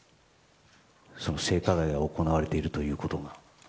性加害が行われているということが。